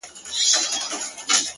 • اشارو او استعارو څخه بې برخي کړو ,